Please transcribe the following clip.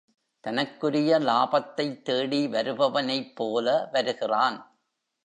தனக்குரிய லாபத்தைத் தேடி வருபவனைப்போல வருகிறான்.